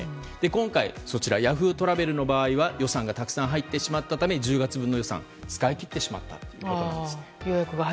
今回Ｙａｈｏｏ！トラベルの場合は予約がたくさん入ってしまったため１０月分の予算を使い切ってしまったということです。